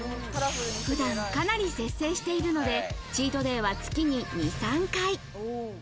普段かなり節制しているので、チートデイは月に２３回。